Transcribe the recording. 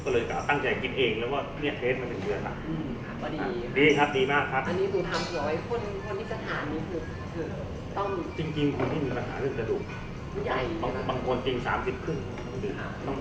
ก็เลยตั้งใจกินเองแล้วพิเศษมาเป็นเกิน